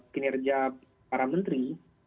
kinerja para menteri